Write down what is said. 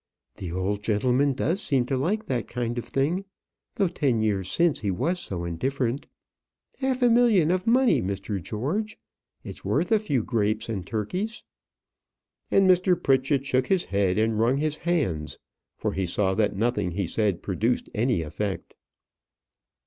The old gentleman does seem to like that kind of thing, though ten years since he was so different. Half a million of money, Mr. George! It's worth a few grapes and turkeys." And Mr. Pritchett shook his head and wrung his hands; for he saw that nothing he said produced any effect.